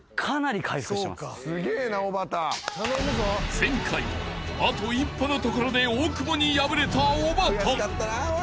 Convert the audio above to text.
［前回はあと一歩のところで大久保に敗れたおばた］